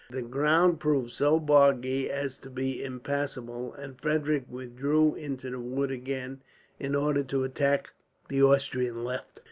The ground proved so boggy as to be impassable, and Frederick withdrew into the wood again, in order to attack the Austrian left.